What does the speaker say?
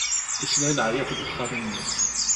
Yesla i leɛyaḍ deg uxxam-nni.